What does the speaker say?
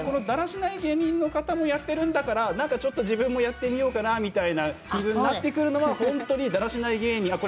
だらしない芸人の方もやってるんだからちょっと自分もやってみようかなっていう気分になってくるのは本当にだらしない芸人。